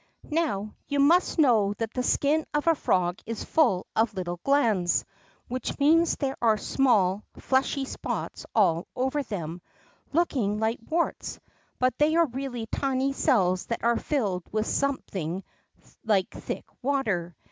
^N'ow you must know that the skin of a frog is full of little glands, which means there are small, fleshy spots all over them, looking like warts, but they are really tiny cells that are fllled with something like thick water.